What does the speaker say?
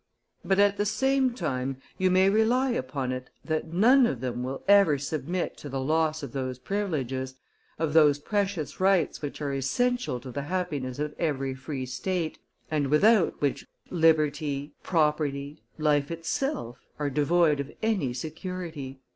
But at the same time you may rely upon it that none of them will ever submit to the loss of those privileges, of those precious rights which are essential to the happiness of every free State, and without which liberty, property, life itself, are devoid of any security."